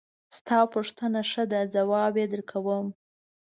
د تا پوښتنه ښه ده ځواب یې درکوم